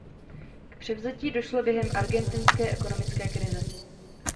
K převzetí došlo během argentinské ekonomické krize.